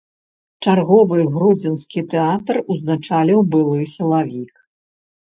Чарговы гродзенскі тэатр узначаліў былы сілавік.